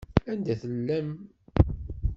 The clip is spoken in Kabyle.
Anda tella yemma-twen?